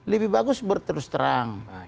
lebih bagus berterus terang